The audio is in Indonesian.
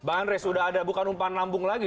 pak andres sudah ada bukan umpan lambung lagi